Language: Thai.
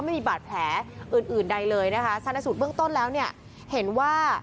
ไม่มีบาดแผลอื่นอื่นใดเลยนะคะชนะสูตรเบื้องต้นแล้วเนี่ยเห็นว่า